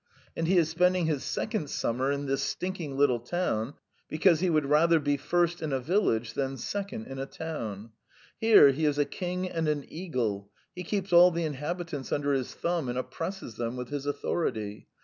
And he is spending his second summer in this stinking little town because he would rather be first in a village than second in a town. Here he is a king and an eagle; he keeps all the inhabitants under his thumb and oppresses them with his authority.